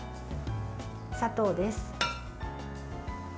砂糖です。